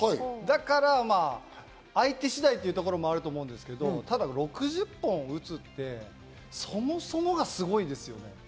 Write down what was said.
だから相手次第というところもあると思うんですけど、ただ６０本を打つってそもそもがすごい。